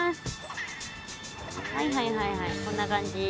はいはいはいはいこんな感じ。